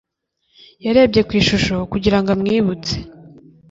Yarebye ku ishusho kugira ngo amwibutse.